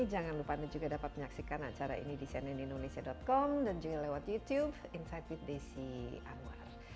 jangan lupa anda juga dapat menyaksikan acara ini di cnnindonesia com dan juga lewat youtube insight with desi anwar